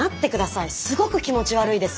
すごく気持ち悪いです。